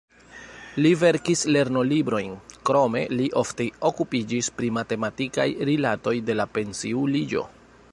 Li verkis lernolibrojn, krome li ofte okupiĝis pri matematikaj rilatoj de la pensiuliĝo.